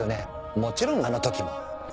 もちろんあの時も。